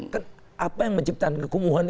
kan apa yang menciptakan kekumuhan